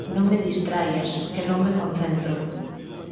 Non me distraias, que non me concentro